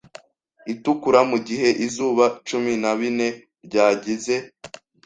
itukura Mugihe izuba cumi na bine ryagize